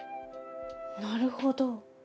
なるほど。